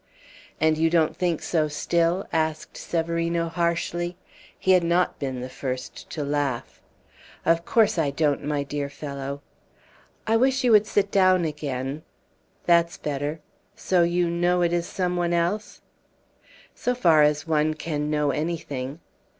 "And you don't think so still?" asked Severino, harshly. He had not been the first to laugh. "Of course I don't, my dear fellow." "I wish you would sit down again. That's better. So you know it is some one else?" "So far as one can know anything."